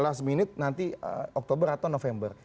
last minute nanti oktober atau november